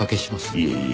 いえいえ。